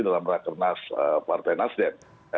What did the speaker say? dalam rakernas partai nasdem